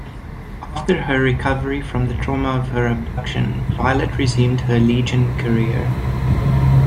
After her recovery from the trauma of her abduction, Violet resumed her Legion career.